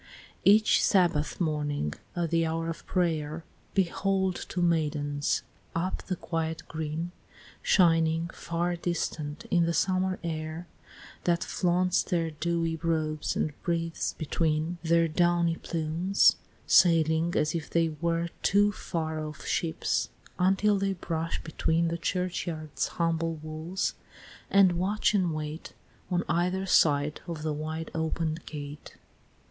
II. Each Sabbath morning, at the hour of prayer, Behold two maidens, up the quiet green Shining, far distant, in the summer air That flaunts their dewy robes and breathes between Their downy plumes, sailing as if they were Two far off ships, until they brush between The churchyard's humble walls, and watch and wait On either side of the wide open'd gate, III.